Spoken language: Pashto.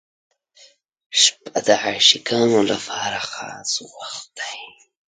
• شپه د عاشقانو لپاره خاص وخت دی.